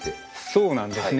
そうなんですね。